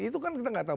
itu kan kita nggak tahu